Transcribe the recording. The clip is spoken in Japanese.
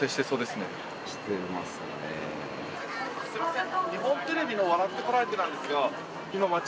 すいません。